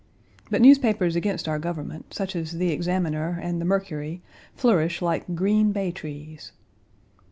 But newspapers against our government, such as the Examiner and the Mercury flourish like green bay trees.